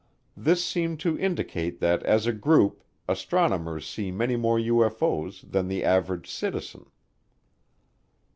This seemed to indicate that as a group astronomers see many more UFO's than the average citizen.